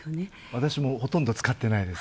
私もほとんど使ってないです。